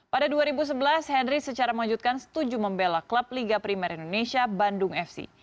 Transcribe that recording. pada dua ribu sebelas henry secara mengejutkan setuju membela klub liga primer indonesia bandung fc